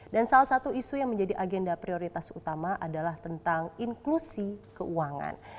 dan salah satu isu yang menjadi agenda prioritas utama adalah tentang inklusi keuangan